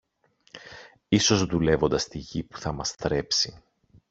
Ίσως δουλεύοντας τη γη που θα μας θρέψει.